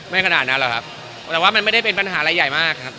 ขนาดนั้นหรอกครับแต่ว่ามันไม่ได้เป็นปัญหาอะไรใหญ่มากครับ